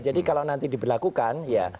kalau nanti diberlakukan ya